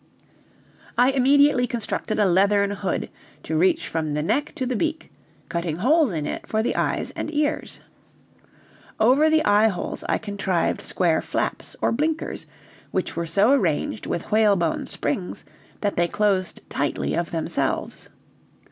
I immediately constructed a leathern hood, to reach from the neck to the beak, cutting holes in it for the eyes and ears. Over the eyeholes I contrived square flaps or blinkers, which were so arranged with whalebone springs that they closed tightly of themselves.